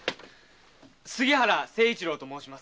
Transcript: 杉原清一郎と申します。